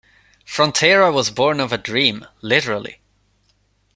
Fronteira was born of a dream, literally.